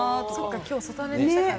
今日、外はねにしたから。